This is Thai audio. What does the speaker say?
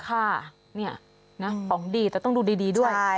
ค่ะเนี่ยนะของดีแต่ต้องดูดีด้วย